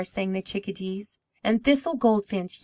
sang the Chickadees. And Thistle Goldfinch?